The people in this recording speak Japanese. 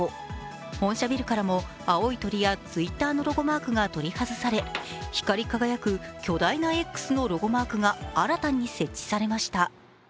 本社ビルからも青い鳥やＴｗｉｔｔｅｒのロゴマークが取り外され、光り輝く巨大なＸのロゴマークが新たに設置されました。